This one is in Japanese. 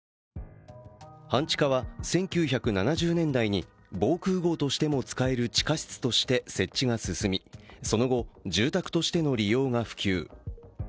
半地下は、１９７０年代に防空ごうとしても使える地下室として設置が進み、その後、住宅としての利用が普及。